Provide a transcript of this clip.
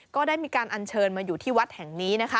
ก็ได้มีการอัญเชิญมาอยู่ที่วัดแห่งนี้นะคะ